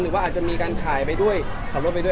ว่าอาจจะมีการถ่ายไปด้วยขับรถไปด้วย